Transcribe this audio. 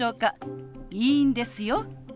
いいんですよ。